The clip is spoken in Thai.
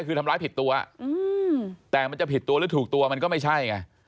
คือทำร้ายผิดตัวแต่มันจะผิดตัวหรือถูกตัวมันก็ไม่ใช่ไง